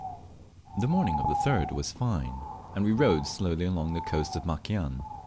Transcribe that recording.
The morning of the 3d was fine, and we rowed slowly along the coast of Makian.